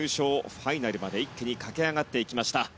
ファイナルまで一気に駆け上がっていきました。